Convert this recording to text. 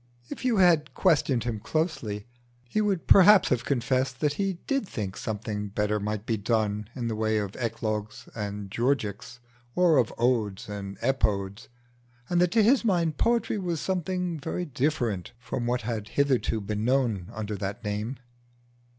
If you had questioned him closely, he would perhaps have confessed that he did think something better might be done in the way of Eclogues and Georgics, or of Odes and Epodes, and that to his mind poetry was something very different from what had hitherto been known under that name.